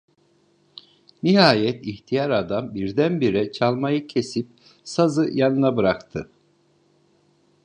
Nihayet ihtiyar adam birdenbire çalmayı kesip, sazı yanına bıraktı.